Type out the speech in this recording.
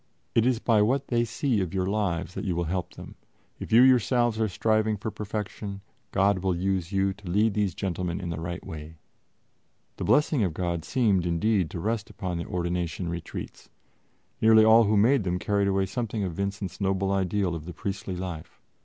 It is by what they see of your lives that you will help them; if you yourselves are striving for perfection, God will use you to lead these gentlemen in the right way." The blessing of God seemed, indeed, to rest upon the ordination retreats; nearly all who made them carried away something of Vincent's noble ideal of the priestly life.